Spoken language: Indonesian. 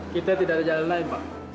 kita tidak ada jalan lain pak